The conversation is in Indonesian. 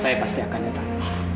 saya pasti akan datang